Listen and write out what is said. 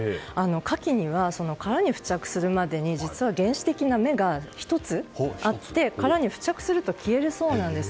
カキには、殻に付着するまでに実は、原始的な目が１つあって殻に付着すると消えるそうなんです。